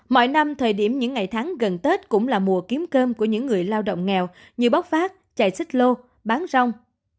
mọi năm thời điểm những ngày tháng gần tết cũng là mùa kiếm cơm của những người lao động nghèo như bóc phát chạy xích lô bán rong